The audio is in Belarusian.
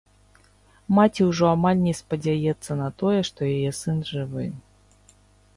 Маці ўжо амаль не спадзяецца на тое, што яе сын жывы.